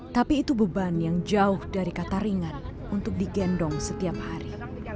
tapi itu beban yang jauh dari kata ringan untuk digendong setiap hari